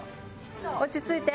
落ち着いて。